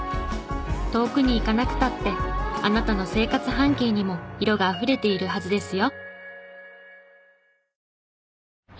遠くに行かなくたってあなたの生活半径にも色があふれているはずですよ。